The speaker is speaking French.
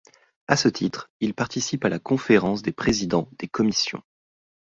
À ce titre, il participe à la Conférence des présidents des commissions.